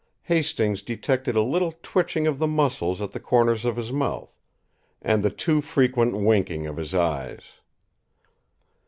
Hastings detected a little twitching of the muscles at the corners of his mouth, and the too frequent winking of his eyes.